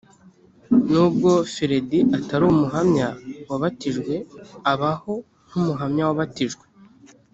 nubwo feredi atari umuhamya wabatijwe abaho nk umuhamya wabatijwe.